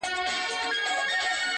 د لباس كيسې عالم وې اورېدلي!!